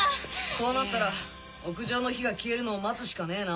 こうなったら屋上の火が消えるのを待つしかねえな。